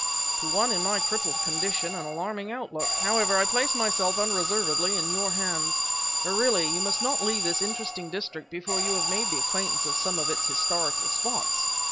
"To one in my crippled condition, an alarming outlook! However, I place myself unreservedly in your hands. But really, you must not leave this interesting district before you have made the acquaintance of some of its historical spots.